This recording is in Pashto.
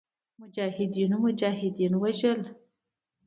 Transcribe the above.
مجاهدینو مجاهدین وژل.